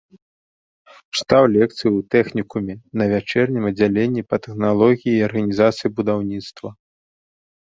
Чытаў лекцыі ў тэхнікуме на вячэрнім аддзяленні па тэхналогіі і арганізацыі будаўніцтва.